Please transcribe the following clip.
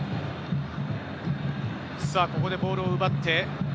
ここでボールを奪って。